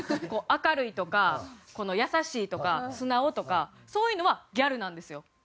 明るいとか優しいとか素直とかそういうのはギャルなんですよ。